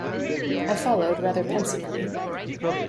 I followed rather pensively.